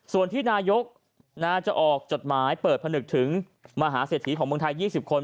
ส่วนที่นายกจะออกจดหมายเปิดผนึกถึงมหาเศรษฐีของเมืองไทย๒๐คน